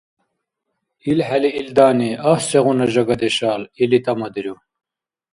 ИлхӀели илдани, — «Агь сегъуна жагадешал», — или тӀамадиру.